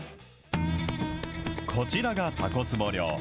こちらがたこつぼ漁。